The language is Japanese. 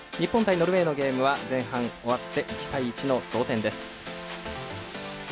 ノルウェーのゲームは前半終わって１対１の同点です。